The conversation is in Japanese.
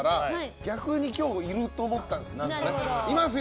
逆に今日いるかなと思ったんですよ。